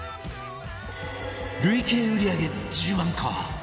累計売り上げ１０万個